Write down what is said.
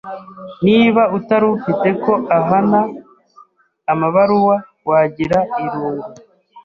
Niba utari ufite ko ahana amabaruwa, wagira irungu.